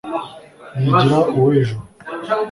yigira uw’ejo